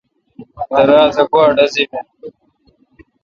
درا تہ گوا ڈزی بین؟